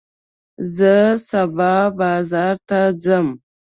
زه سبا بازار ته ځم.